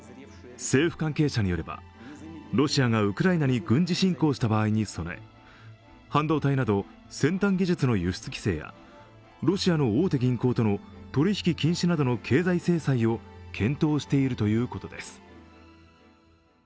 政府関係者によれば、ロシアがウクライナに軍事侵攻した場合に備え、半導体など先端技術の輸出規制やロシアの大手銀行との取引禁止などの経済制裁を検討しているということです。